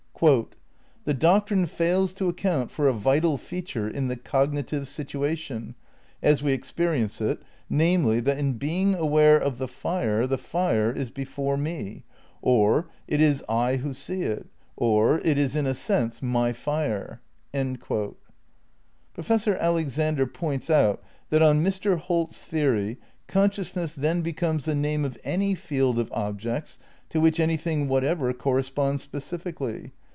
"The doctrine fails to account for a vital feature in the cognitive situation, as we experience it, namely, that in being aware of the fire, the fire is before me, or it is I who see it, or it is in a sense mu fire." ' Professor Alexander points out that, on Mr. Holt's theory, "Consciousness then becomes the name of any field of objects to which anything whatever corresponds specifically.